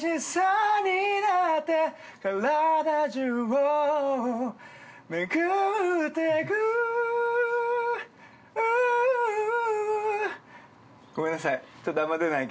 ごめんなさい。